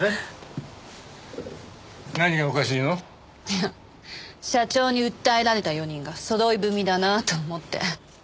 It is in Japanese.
いや社長に訴えられた４人がそろい踏みだなと思って。